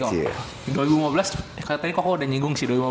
tadi koko udah nyinggung sih